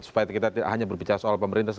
supaya kita hanya berbicara soal pemerintah